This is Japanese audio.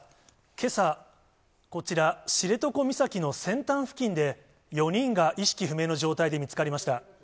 けさ、こちら、知床岬の先端付近で、４人が意識不明の状態で見つかりました。